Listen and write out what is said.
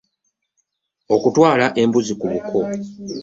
Okutwala embuzi ku buko.